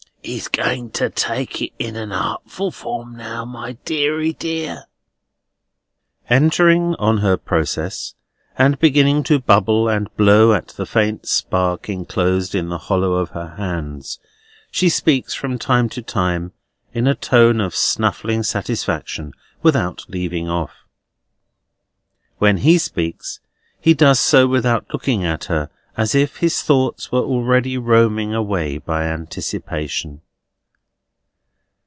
He's going to take it in a artful form now, my deary dear!" Entering on her process, and beginning to bubble and blow at the faint spark enclosed in the hollow of her hands, she speaks from time to time, in a tone of snuffling satisfaction, without leaving off. When he speaks, he does so without looking at her, and as if his thoughts were already roaming away by anticipation.